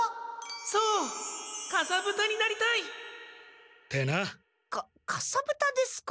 そうかさぶたになりたい！ってな。かかさぶたですか！？